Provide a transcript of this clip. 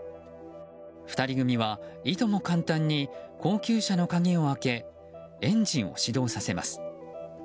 ２人組は、いとも簡単に高級車の鍵を開けエンジンを始動させます。